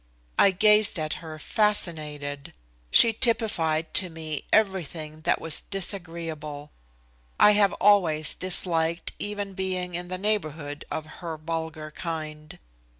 I gazed at her fascinated. She typified to me everything that was disagreeable. I have always disliked even being in the neighborhood of her vulgar kind.